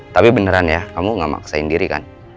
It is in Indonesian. tapi beneran ya kamu gak maksain diri kan